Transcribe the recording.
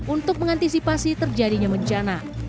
untuk mengantisipasi terjadinya bencana